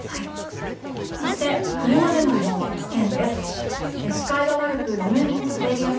そして、車での移動は危険です。